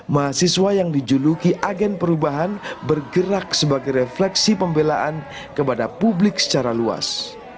mahasiswa yang dijuluki agen perubahan bergerak sebagai refleksi pembelaan kepada publik secara luas